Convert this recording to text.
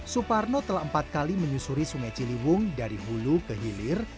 suparno telah empat kali menyusuri sungai ciliwung dari hulu ke hilir